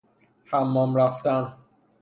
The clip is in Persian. حمام رفتن